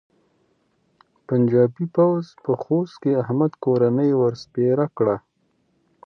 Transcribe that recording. پنجاپي پوځ په خوست کې احمد کورنۍ ور سپېره کړه.